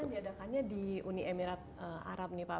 ini diadakannya di uni emirat arab nih pak